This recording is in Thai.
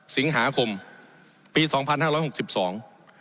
สิงหาคมปีสองพันห้าร้อยหกสิบสอง